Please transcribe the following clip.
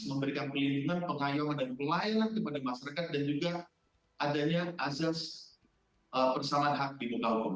memberikan pelindungan penghayalan dan pelayanan kepada masyarakat dan juga adanya azas persalahan hak di muka umum